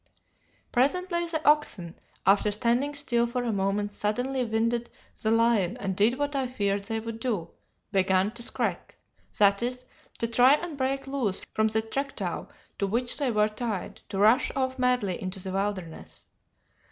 "Presently the oxen, after standing still for a moment, suddenly winded the lion and did what I feared they would do began to 'skrek,' that is, to try and break loose from the trektow to which they were tied, to rush off madly into the wilderness.